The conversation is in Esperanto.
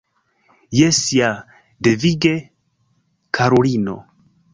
Jes ja, devige, karulino.